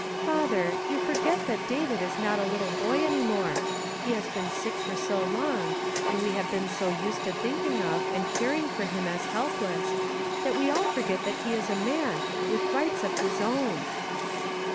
" Father, you forget that David is not a little boy any more. He has been sick for so long, and we have been so used to thinking of and caring for him as helpless, that we all forget that he is a man with rights of his own."